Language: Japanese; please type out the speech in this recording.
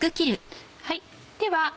では